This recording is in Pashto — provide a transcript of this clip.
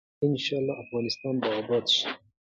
ان شاء الله افغانستان به اباد شي.